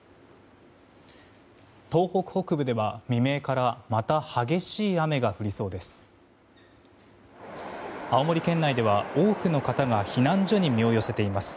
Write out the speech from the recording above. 東北北部では未明からまた激しい雨が降りそうです。